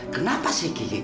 kenapa sih kiki kemana